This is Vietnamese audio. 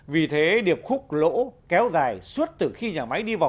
vì thế điệp khúc lỗ kéo dài suốt từ khi nhà máy đi vào